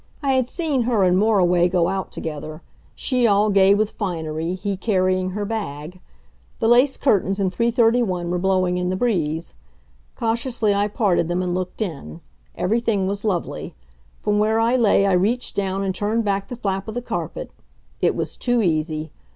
I had seen her and Moriway go out together she all gay with finery, he carrying her bag. The lace curtains in 331 were blowing in the breeze. Cautiously I parted them and looked in. Everything was lovely. From where I lay I reached down and turned back the flap of the carpet. It was too easy.